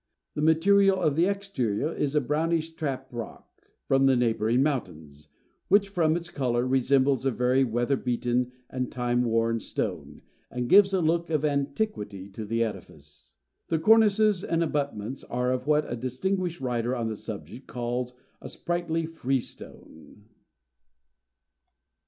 The material of the exterior is a brownish trap rock from the neighbouring mountains, which, from its colour, resembles a very weather beaten and time worn stone, and gives a look of antiquity to the edifice. The cornices and abutments are of what a distinguished writer on the subject calls a sprightly freestone.